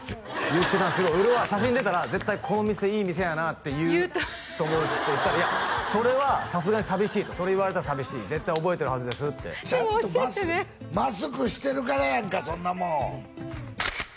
言ってたんですけど俺は写真出たら絶対この店いい店やなって言うと思うって言ったらいやそれはさすがに寂しいとそれ言われたら寂しい絶対覚えてるはずですってでもおっしゃったねちゃんとマスクマスクしてるからやんかそんなもん！